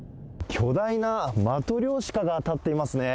巨大なマトリョーシカが建っていますね。